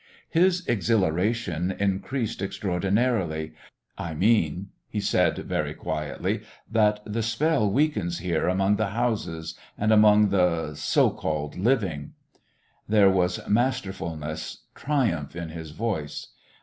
His exhilaration increased extraordinarily. "I mean," he said very quietly, "that the spell weakens here among the houses and among the so called living." There was masterfulness, triumph, in his voice.